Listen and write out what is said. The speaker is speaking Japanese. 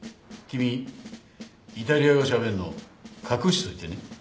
君イタリア語しゃべるの隠しといてね。